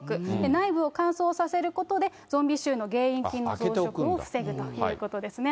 内部を乾燥させることで、ゾンビ臭の原因菌の増殖を防ぐということですね。